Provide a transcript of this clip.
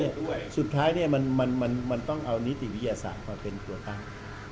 สุดท้ายเนี่ยมันมันต้องเอานิติวิทยาศาสตร์มาเป็นตัวตั้ง